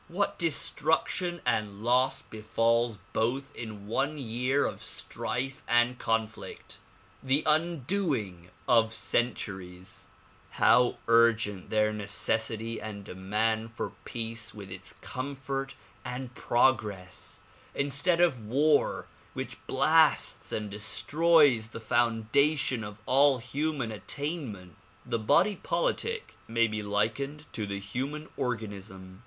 What destruction and loss befalls both in one year of strife and conflict; the undoing of centuries. DISCOURSES DELIVERED IN CHICAGO 95 How urgent their necessity and demand for peace with its comfort and progress instead of war which blasts and destroys the founda tion of all human attainment. The body politic may be likened to the human organism.